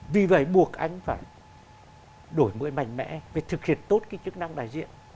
vì vậy buộc anh phải đổi mới mạnh mẽ phải thực hiện tốt cái chức năng đại diện